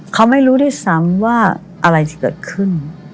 เขาไม่รู้ด้วยซ้ำว่าอะไรจะเกิดขึ้น